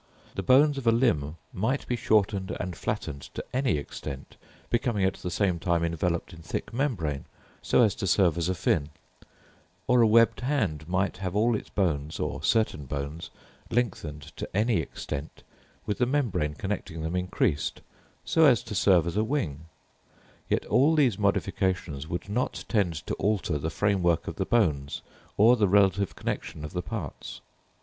The bones of a limb might be shortened and flattened to any extent, becoming at the same time enveloped in thick membrane, so as to serve as a fin; or a webbed hand might have all its bones, or certain bones, lengthened to any extent, with the membrane connecting them increased, so as to serve as a wing; yet all these modifications would not tend to alter the framework of the bones or the relative connexion of the parts.